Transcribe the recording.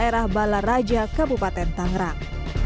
di daerah balar raja kabupaten tangerang